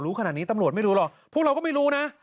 ขนาดนี้ตำรวจไม่รู้หรอกพวกเราก็ไม่รู้นะ